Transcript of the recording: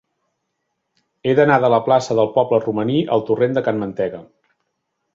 He d'anar de la plaça del Poble Romaní al torrent de Can Mantega.